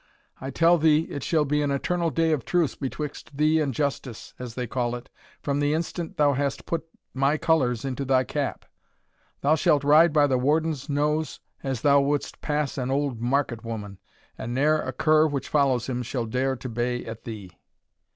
I tell thee it shall be an eternal day of truce betwixt thee and justice, as they call it, from the instant thou hast put my colours into thy cap thou shalt ride by the Warden's nose as thou wouldst pass an old market woman, and ne'er a cur which follows him shall dare to bay at thee!"